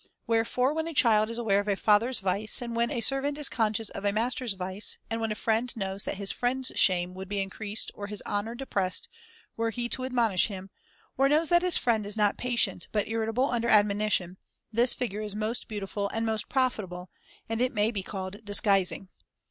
Wherefore when a child is aware of a father's vice, and when a servant is conscious of a master's vice, and when a friend [jSo] knows N 194 THE CONVIVIO Ch. Of ad that his friend's shame would be increased or his monition honour depressed were he to admonish him, or and ot jj^jjQ^g ti^at his friend is not patient but irritable under admonition, this figure is most beautiful and most profitable, and it may be called dis guising.